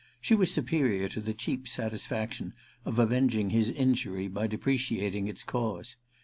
She was superior to the cheap satisfaction of avenging his injury by depreciating its cause.